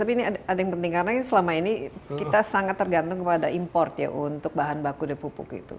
tapi ini ada yang penting karena selama ini kita sangat tergantung kepada import ya untuk bahan baku dan pupuk itu